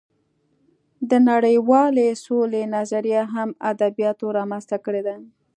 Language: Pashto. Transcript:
د نړۍوالې سولې نظریه هم ادبیاتو رامنځته کړې ده